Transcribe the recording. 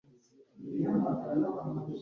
Genda garuka nyuma yimvura ninkuba